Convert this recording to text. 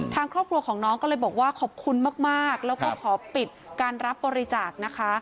ทางครอบครัวของน้องก็เลยบอกว่าขอบคุณมากแล้วก็ขอปิดการรับบริจาคนะคะ